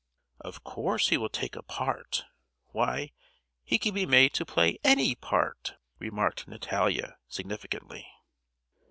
"Of course he will take a part! why, he can be made to play any part!" remarked Natalia significantly.